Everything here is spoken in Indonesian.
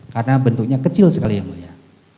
karena bentuknya kecil sekali yang mulia